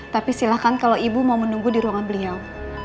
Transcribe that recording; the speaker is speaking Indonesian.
tapi silahkan kalau ibu mau menunggu di ruangan beliau